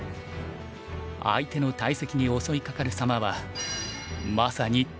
相手の大石に襲いかかる様はまさに虎。